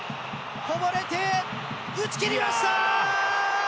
こぼれて、打ち切りました！